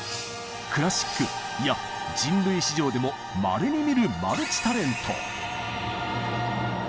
クラシックいや人類史上でもまれに見るマルチ・タレント。